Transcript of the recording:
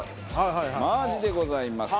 真アジでございます。